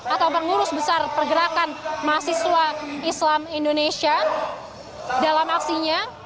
atau pengurus besar pergerakan mahasiswa islam indonesia dalam aksinya